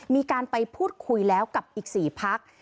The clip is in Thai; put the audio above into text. มีการไปพูดคุยแล้วกับอีก๔พัก